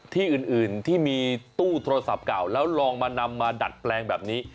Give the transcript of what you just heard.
ที่อื่นที่มีตู้โทรศัพท์เก่าแล้วลองมานำมาดัดแปลงแบบนี้